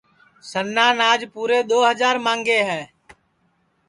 سنان آج پُورے دؔو ہجار ماںٚگے ہے